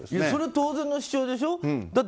そりゃ当然の主張でしょ。